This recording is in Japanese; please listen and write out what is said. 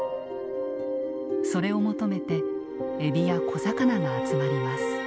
それを求めてエビや小魚が集まります。